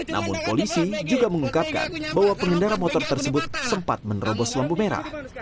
namun polisi juga mengungkapkan bahwa pengendara motor tersebut sempat menerobos lampu merah